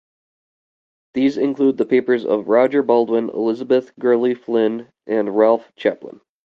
These include the papers of Roger Baldwin, Elizabeth Gurley Flynn, and Ralph Chaplin.